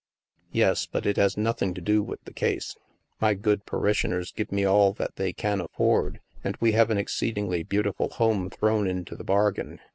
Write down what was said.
"Yes, but it has nothing to do with the case. My good parishioners give me all that they can afford, and we have an exceedingly beautiful home thrown into the bargain.